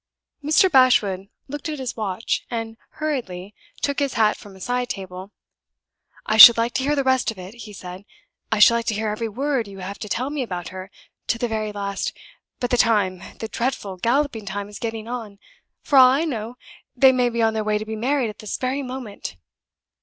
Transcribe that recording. Mr. Bashwood looked at his watch, and hurriedly took his hat from a side table. "I should like to hear the rest of it," he said. "I should like to hear every word you have to tell me about her, to the very last. But the time, the dreadful, galloping time, is getting on. For all I know, they may be on their way to be married at this very moment."